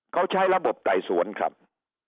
เขาใช้ระบบไต่สวนครับ